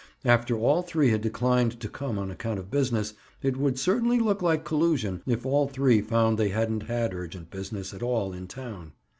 After all three had declined to come on account of business, it would certainly look like collusion, if all three found they hadn't had urgent business, at all, in town.